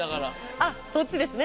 あっそっちですね！